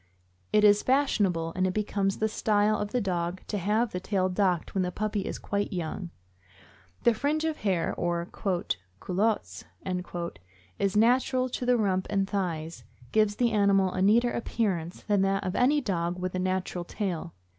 It is fashionable, and it becomes the style of the dog, to have the tail docked when the puppy is quite young; the fringe of hair, or "culottes," which is natural to the rump and thighs, gives the animal a neater appearance than that of any dog with the natural tail.